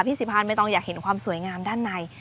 สีพันธ์ไม่ต้องอยากเห็นความสวยงามด้านใน